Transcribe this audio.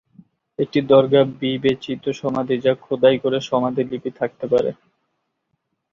একটি দরগা বিবেচিত সমাধি যা খোদাই করে সমাধি লিপি থাকতে পারে।